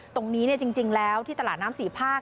ตรงนี้เนี่ยจริงแล้วที่ตลาดน้ำศรีภาค